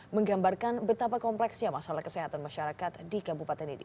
menggambarkan betapa kompleksnya masalah kesehatan masyarakat di kabupaten ini